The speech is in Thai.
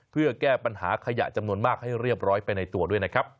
เพื่อแก้ปัญหาขยะจำนวนมากให้เรียบร้อยไปในตัวด้วยนะครับ